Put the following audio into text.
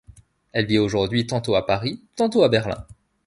Elle vit aujourd'hui tantôt à Paris, tantôt à Berlin.